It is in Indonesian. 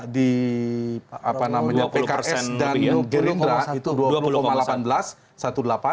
di pks dan nugerindra itu dua puluh delapan belas